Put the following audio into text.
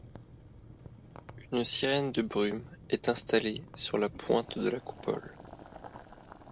Une sirène de brume est installée sur la pointe de la coupole.